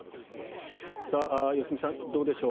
良純さん、どうでしょう。